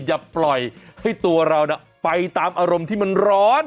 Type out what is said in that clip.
อย่าปล่อยให้ตัวเราไปตามอารมณ์ที่มันร้อน